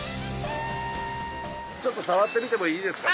ちょっと触ってみてもいいですかね？